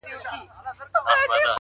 هوښیار انسان له هر چا څه زده کوي؛